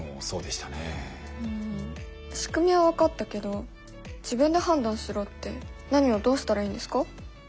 しくみは分かったけど自分で判断しろって何をどうしたらいいんですか？